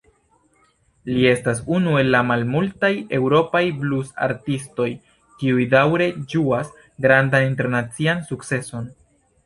Li estas unu el la malmultaj eŭropaj blus-artistoj kiuj daŭre ĝuas grandan internacian sukceson.